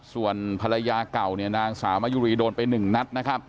ส่วนภรรยาเก่านางสาวมะยุรีโดนไป๑นัด